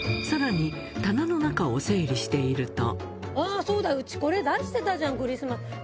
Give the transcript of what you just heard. さらに棚の中を整理しているあー、そうだ、うち、これ、出してたじゃん、クリスマスに。